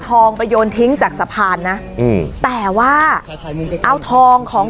สลับผัดเปลี่ยนกันงมค้นหาต่อเนื่อง๑๐ชั่วโมงด้วยกัน